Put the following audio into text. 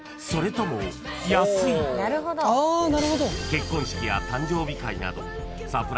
［結婚式や誕生日会など］